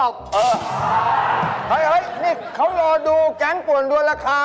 เฮ้ยนี่เขารอดูแก๊งป่วนดวนราคา